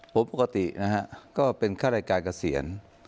ผมปกตินะเป็นคาดรายการเกษียณ